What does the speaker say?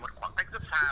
một khoảng cách rất xa